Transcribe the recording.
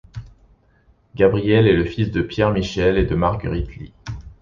Gabriel est le fils de Pierre Michel et de Marguerite Lee.